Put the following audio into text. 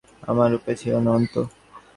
আমার উপায় ছিল না অন্তু।